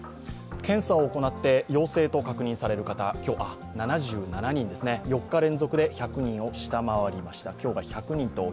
検査を行って陽性と確認された方、今日７７人、４日連続で１００人を下回りました。